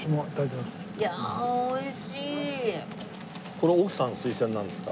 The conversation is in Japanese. これ奥さんの推薦なんですか？